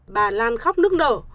bà lan khóc nức nở